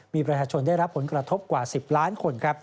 มีประชาชนได้รับผลกระทบกว่า๑๐ล้านคน